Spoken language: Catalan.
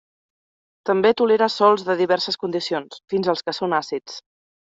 També tolera sòls de diverses condicions, fins als que són àcids.